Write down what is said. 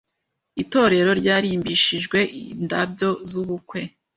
Itorero ryarimbishijwe indabyo zubukwe.